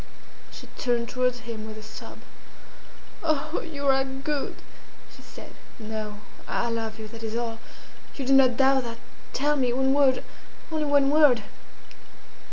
She turned towards him with a sob. "Oh, you are good!" she said. "No, I love you, that is all! You do not doubt that! Tell me one word only one word!"